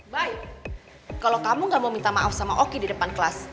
baik kalau kamu gak mau minta maaf sama oki di depan kelas